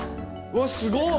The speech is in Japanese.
うわっすご！